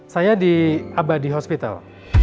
saya di abadi hospital